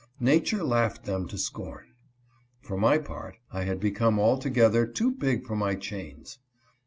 Nature laughed them to scorn. For my part, I had become altogether too big for my chains.